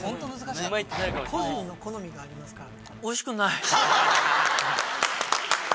個人の好みがありますから。